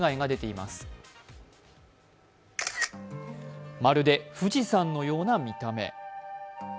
まるで富士山のような見た目。